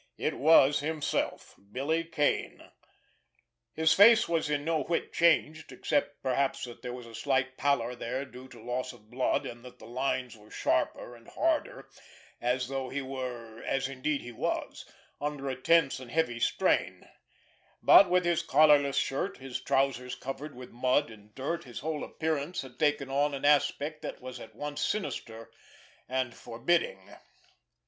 It was himself—Billy Kane. His face was in no whit changed, except perhaps that there was a slight pallor there due to loss of blood, and that the lines were sharper and harder, as though he were, as indeed he was, under a tense and heavy strain; but, with his collarless shirt, his trousers covered with mud and dirt, his whole appearance had taken on an aspect that was at once sinister and forbidding.